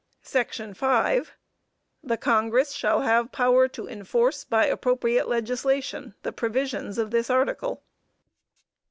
Section 5. "The Congress shall have power to enforce, by appropriate legislation, the provisions of this article."